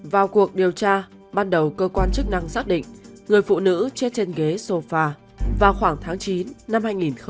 vào cuộc điều tra ban đầu cơ quan chức năng xác định người phụ nữ chết trên ghế sofa vào khoảng tháng chín năm hai nghìn một mươi bảy